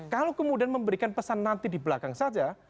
kalau kemudian memberikan pesan nanti di belakang saja